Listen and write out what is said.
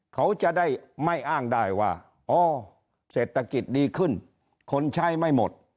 เขาจะได้ไม่อ้างได้ว่าอ๋อเศรษฐกิจดีขึ้นคนใช้ไม่หมด